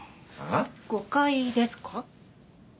誤解ですか？